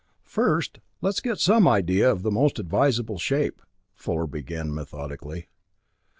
"First, let's get some idea of the most advisable shape," Fuller began methodically.